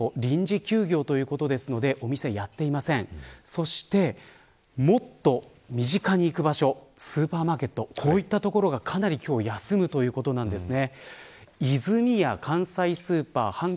そしてもっと身近に行く場所スーパーマーケットこういった所がかなり今日休むということなんですね。